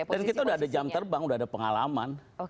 dan kita udah ada jam terbang udah ada pengalaman